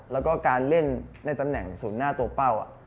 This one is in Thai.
และการเล่นในตำแหน่งสุดหน้าตัวเป้า